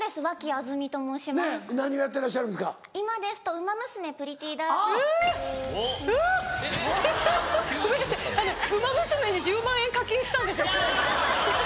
『ウマ娘』に１０万円課金したんです。